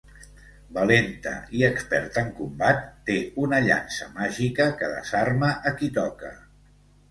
Valenta i experta en combat, té una llança màgica que desarma a qui toca.